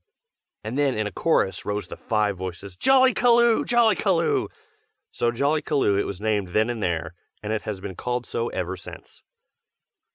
And then in a chorus rose the five voices, "Jollykaloo! Jollykaloo!" so Jollykaloo it was named then and there, and it has been called so ever since.